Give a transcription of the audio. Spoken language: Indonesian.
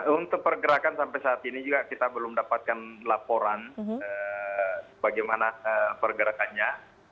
untuk pergerakan sampai saat ini juga kita belum dapatkan laporan bagaimana pergerakannya